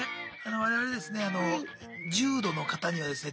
我々ですね重度の方にはですね